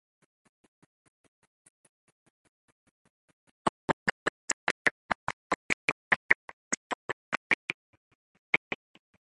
One kibbutz member, Naftali Friedlander, was killed in the fighting.